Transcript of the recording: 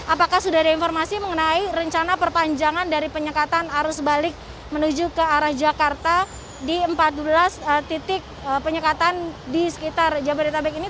apakah sudah ada informasi mengenai rencana perpanjangan dari penyekatan arus balik menuju ke arah jakarta di empat belas titik penyekatan di sekitar jabodetabek ini